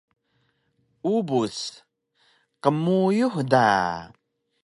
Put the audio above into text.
Ubus: Qmuyux da